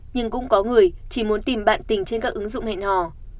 nhưng cũng có người chỉ muốn tìm bạn tình trên các ứng dụng hẹn hò